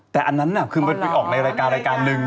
แต่อันนั้นน่ะคือมันออกในรายการหนึ่ง